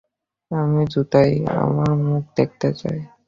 আমি জুতায় আমার মুখ দেখতে চাই!